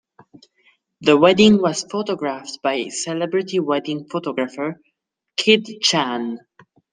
The wedding was photographed by celebrity wedding photographer Kid Chan.